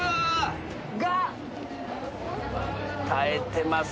が耐えてます。